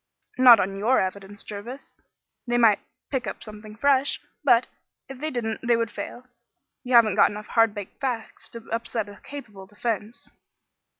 "Not on your evidence, Jervis. They might pick up something fresh, but, if they didn't they would fail. You haven't got enough hard baked facts to upset a capable defence.